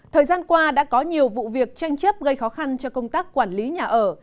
thời gian qua đã có nhiều vụ việc tranh chấp gây khó khăn cho công tác quản lý nhà ở